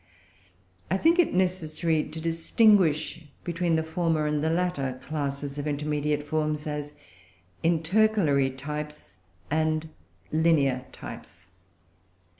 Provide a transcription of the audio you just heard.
I think it necessary to distinguish between the former and the latter classes of intermediate forms, as intercalary types and linear types.